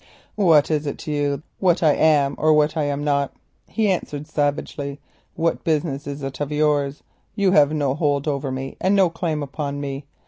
"What is it to you what I am or what I am not?" he answered savagely. "What business is it of yours? You have no hold over me, and no claim upon me.